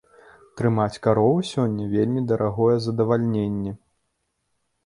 Трымаць карову сёння вельмі дарагое задавальненне.